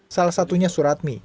salah satunya suratmi